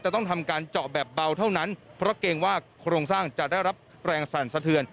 ต้องทำการเจาะแบบเบาเท่านั้นเพราะเกรงว่าโครงสร้างจะได้รับแรงสั่นสะเทือน